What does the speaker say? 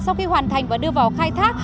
sau khi hoàn thành và đưa vào khai thác